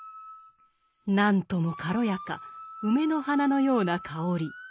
何とも軽やか梅の花のような香り。